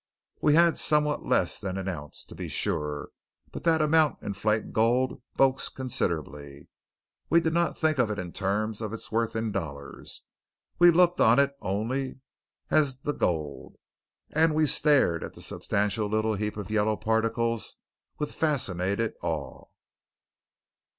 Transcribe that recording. We had somewhat less than an ounce, to be sure; but that amount in flake gold bulks considerably. We did not think of it in terms of its worth in dollars; we looked on it only as the Gold, and we stared at the substantial little heap of yellow particles with fascinated awe.